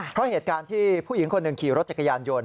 เพราะเหตุการณ์ที่ผู้หญิงคนหนึ่งขี่รถจักรยานยนต์